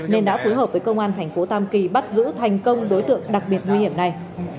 nên đã phối hợp với công an thành phố tam kỳ bắt giữ thành công đối tượng đặc biệt nguy hiểm này